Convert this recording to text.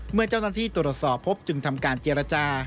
เมื่อเจ้าหน้าที่ตรวจสอบพบจึงทำการเจรจา